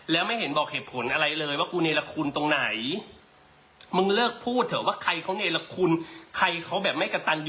แล้วไม่เห็นบอกเหตุผลอะไรเลยว่ากูเนรคคุณตรงไหน